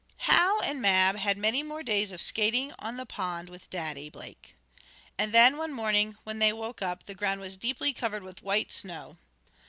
Hal and Mab had many more days of skating on the pond with Daddy; Blake. And then, one morning, when they woke up, the ground was deeply covered with white snow.